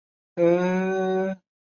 滇缅短尾鼩被发现在中国和缅甸。